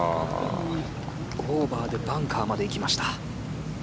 オーバーでバンカーまで行きました。